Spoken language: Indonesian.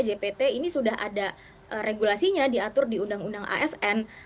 jpt ini sudah ada regulasinya diatur di undang undang asn